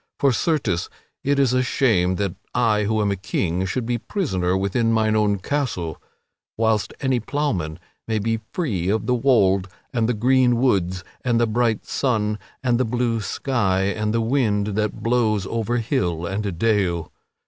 For, certes, it is a shame that I who am a king should be prisoner within mine own castle, whilst any ploughman may be free of the wold and the green woods and the bright sun and the blue sky and the wind that blows over hill and dale.